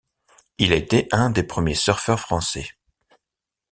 Il a été un des premiers surfeurs français.